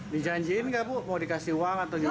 dijanjiin nggak bu mau dikasih uang atau gimana